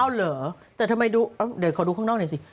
เอาเหรอแต่ทำไมดูเดี๋ยวขอดูข้างนอกหน่อยสิ